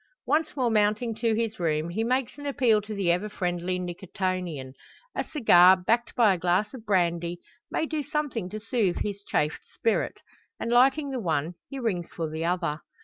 Once more mounting to his room, he makes an appeal to the ever friendly Nicotian. A cigar, backed by a glass of brandy, may do something to soothe his chafed spirit; and lighting the one, he rings for the other.